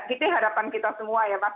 itu harapan kita semua ya mas